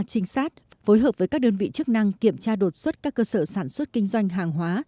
trinh sát phối hợp với các đơn vị chức năng kiểm tra đột xuất các cơ sở sản xuất kinh doanh hàng hóa